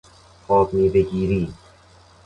آبمیوهگیری